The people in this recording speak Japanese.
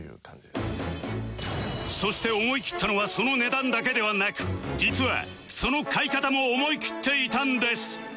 そして思いきったのはその値段だけではなく実はその買い方も思いきっていたんです